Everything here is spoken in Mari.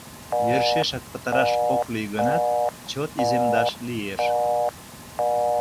Йӧршешак пытараш ок лий гынат, чот иземдаш лиеш.